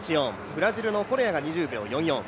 ブラジルのコレアが２０秒４４。